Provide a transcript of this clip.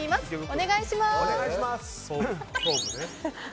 お願いします！